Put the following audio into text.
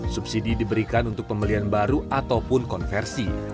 subsidi diberikan untuk pembelian baru ataupun konversi